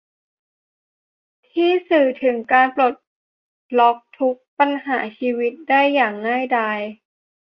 ที่สื่อถึงการปลดล็อกทุกปัญหาชีวิตได้อย่างง่ายดาย